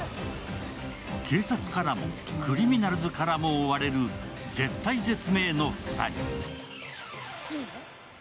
警察からもクリミナルズからも追われる絶体絶命の２人。